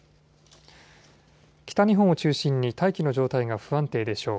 北日本を中心に大気の状態が不安定でしょう。